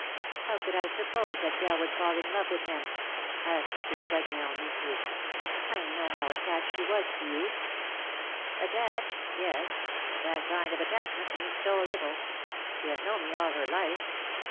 " How could I suj)pose that Belle would fall in love with him ?'■' asked Mrs. Tregonell, meekly. '^ I knew how attached she was to you."*' " Attached ? yes ; but that kind of attachment means so little. She had known me all her life.